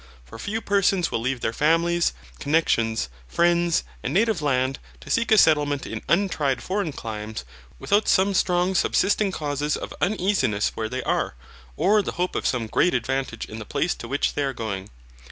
For few persons will leave their families, connections, friends, and native land, to seek a settlement in untried foreign climes, without some strong subsisting causes of uneasiness where they are, or the hope of some great advantages in the place to which they are going.